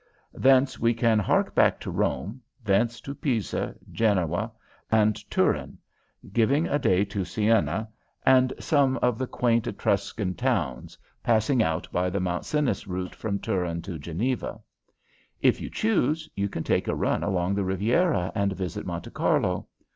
Thence we can hark back to Rome, thence to Pisa, Genoa, and Turin, giving a day to Siena and some of the quaint Etruscan towns, passing out by the Mont Cenis route from Turin to Geneva. If you choose you can take a run along the Riviera and visit Monte Carlo.